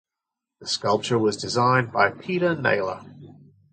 The sculpture was designed by Peter Naylor.